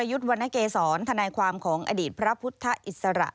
ยุทธ์วรรณเกษรธนายความของอดีตพระพุทธอิสระ